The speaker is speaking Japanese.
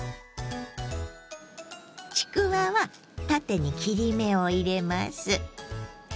ちくわは縦に切り目を入れます。